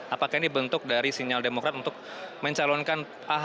apakah ini bentuk dari sinyal demokrat untuk mencalonkan pak ahy di pilkada jawa tenggara